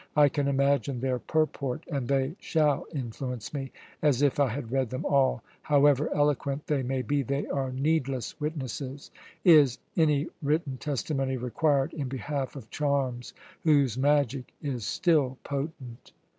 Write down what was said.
I can imagine their purport, and they shall influence me as if I had read them all. However eloquent they may be, they are needless witnesses. Is any written testimony required in behalf of charms whose magic is still potent?"